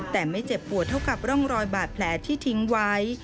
แต่ไม่เจ็บปวดเท่ากับร่องรอยบาดแผลที่ทิ้งไว้